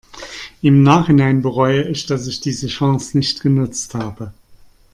Im Nachhinein bereue ich, dass ich diese Chance nicht genutzt habe.